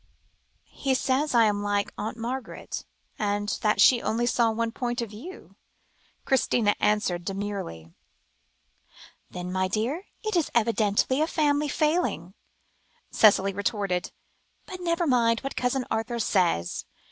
"He says I am like Aunt Margaret, and that she only saw one point of view," Christina answered demurely. "Then, my dear, it is evidently a family failing," Cicely retorted; "but never mind what Cousin Arthur says.